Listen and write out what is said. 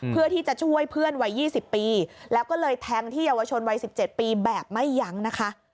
เพื่อที่จะช่วยเพื่อนวัย๒๐ปีแล้วก็เลยแทงที่เยาวชนวัย๑๗ปีแบบไม่ยั้งนะคะ